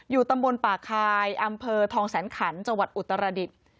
อยู่ตำบลป่าคายอำเภอทองแสนขันฯจอุตรดิษฐ์